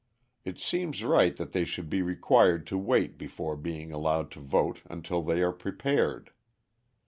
It seems right that they should be required to wait before being allowed to vote until they are prepared.